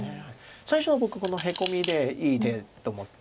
最初は僕このヘコミでいい手と思って。